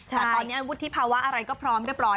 แต่ตอนนี้วุฒิภาวะอะไรก็พร้อมเรียบร้อย